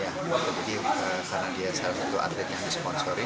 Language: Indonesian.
jadi karena dia salah satu atlet yang disponsori